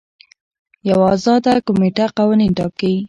یوه ازاده کمیټه قوانین ټاکي.